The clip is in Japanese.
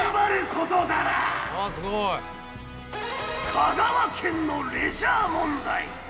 すごい！香川県のレジャー問題。